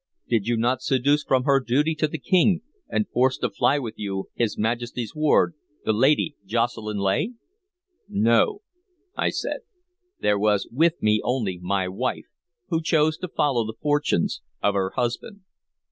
"Did you not seduce from her duty to the King, and force to fly with you, his Majesty's ward, the Lady Jocelyn Leigh?" "No," I said. "There was with me only my wife, who chose to follow the fortunes of her husband."